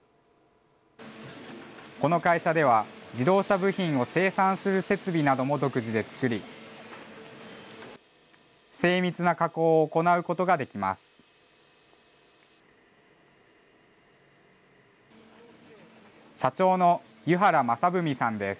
この会社では、自動車部品を生産する設備なども独自で作り、精密な加工を行うことができます。